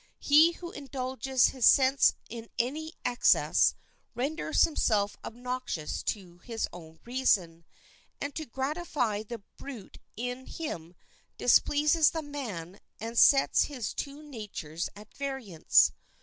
He who indulges his sense in any excesses renders himself obnoxious to his own reason, and to gratify the brute in him displeases the man and sets his two natures at variance.